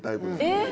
えっ！